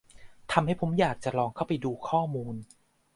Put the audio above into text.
ทำให้ผมอยากจะลองเข้าไปดูข้อมูล